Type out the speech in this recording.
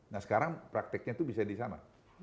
nah sekarang prakteknya itu bisa di sana